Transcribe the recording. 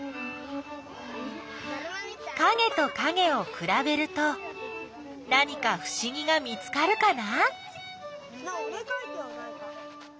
かげとかげをくらべると何かふしぎが見つかるかな？